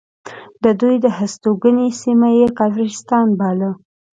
د دوی هستوګنې سیمه یې کافرستان باله.